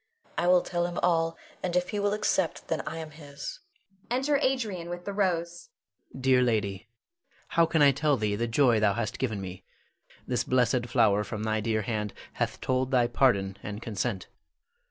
I will tell him all, and if he will accept, then I am his. [Enter Adrian with the rose. Adrian. Dear lady, how can I tell thee the joy thou hast given me. This blessed flower from thy dear hand hath told thy pardon and consent.